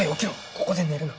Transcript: ここで寝るな。